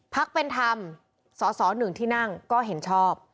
ภาคเป็นธรรมสส๑ที่นั่งก็เห็นชอบ